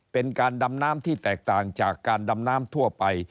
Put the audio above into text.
เป็นการดำน้ำที่แตกต่างจากการดำน้ำทั่วไป